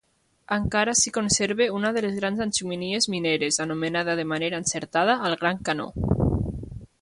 Encara s'hi conserva una de les grans xemeneies mineres, anomenada de manera encertada "el gran canó".